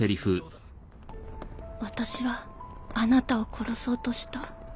私はあなたを殺そうとした。